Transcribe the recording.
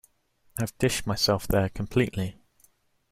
I've dished myself there completely.